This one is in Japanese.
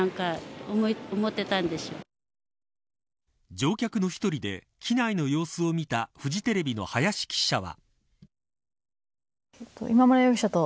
乗客の１人で機内の様子を見たフジテレビの林記者は。